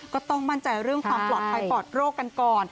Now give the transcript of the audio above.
ก็ต้องมั่นใจเรื่องความปลอดภัยปลอดโรคกันก่อน